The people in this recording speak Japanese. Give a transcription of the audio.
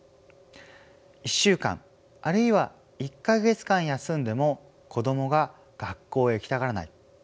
１週間あるいは１か月間休んでも子どもが学校へ行きたがらない